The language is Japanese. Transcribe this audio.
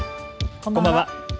こんばんは。